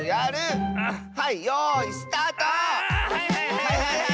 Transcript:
はいはいはい。